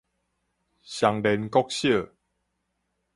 雙蓮國小